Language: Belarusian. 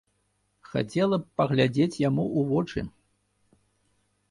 Хацела б паглядзець яму ў вочы.